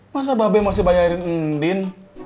masa babe masih bayarin endin